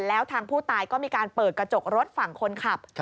แล้วทางผู้ตายก็มีการเปิดกระจกรถฝั่งคนขับ